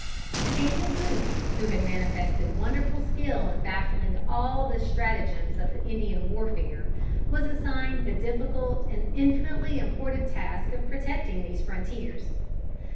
To Daniel Boone, who had manifested wonderful skill in baffling all the stratagems of Indian warfare, was assigned the difficult and infinitely important task of protecting these frontiers.